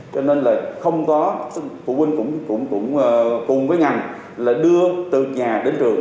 cho nên là không có phụ huynh cũng cùng với ngành là đưa từ nhà đến trường